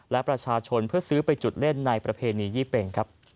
และประชาชนเพื่อซื้อไปจุดเล่นในประเพณียี่เป็งครับ